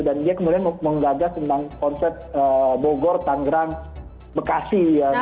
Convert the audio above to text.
dan dia kemudian menggagas tentang konsep bogor tanggerang bekasi